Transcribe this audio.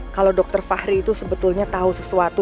kalau dokter fahri itu sebetulnya tahu sesuatu